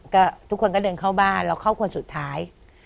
ก็ทุกคนก็เดินเข้าบ้านเราเข้าคนสุดท้าย